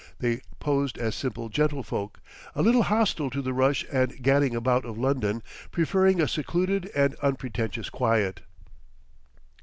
They posed as simple gentlefolk, a little hostile to the rush and gadding about of London, preferring a secluded and unpretentious quiet.